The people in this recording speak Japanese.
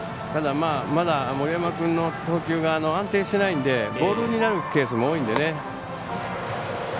まだ森山君の投球が安定していないのでボールになるケースも多いので。